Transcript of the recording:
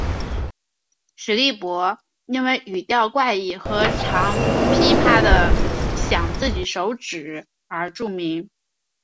史力柏因语调怪异和常劈啪地晌自己手指而著名。